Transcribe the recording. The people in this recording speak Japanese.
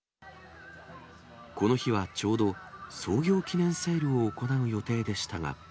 この日はちょうど創業記念セールを行う予定でしたが。